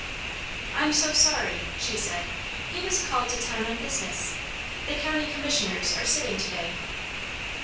"I'm so sorry!" she said. "He was called to town on business. The County Commissioners are sitting to day."